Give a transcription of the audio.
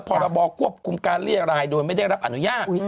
พรบควบคุมการเรียรายโดยไม่ได้รับอนุญาต